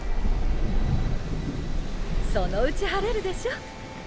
そのうち晴れるでしょ。